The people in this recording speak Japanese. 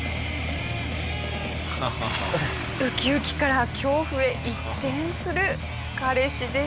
ウキウキから恐怖へ一転する彼氏でした。